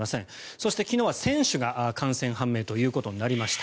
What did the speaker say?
そして、昨日は選手が感染判明ということになりました。